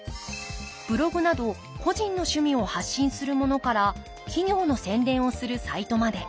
ブログなど個人の趣味を発信するものから企業の宣伝をするサイトまで。